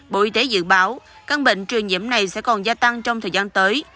bộ y tế dự báo căn bệnh truyền nhiễm này sẽ còn gia tăng trong thời gian tới